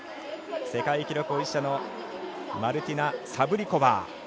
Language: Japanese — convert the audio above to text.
世界記録保持者のマルティナ・サブリコバー。